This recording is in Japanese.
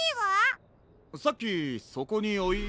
さっきそこにおいた。